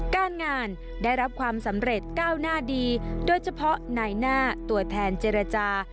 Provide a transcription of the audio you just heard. การงานได้รับความสำเร็จก้าวหน้าดีโดยเฉพาะนายหน้าตัวแทนเจรจา